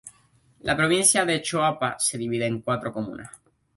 La provincia de Choapa se divide en cuatro comunas.